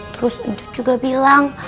terus njut juga bilang